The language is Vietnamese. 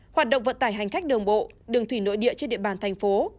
hoạt động vận tải hành khách đường bộ đường thủy nội địa trên địa bàn thành phố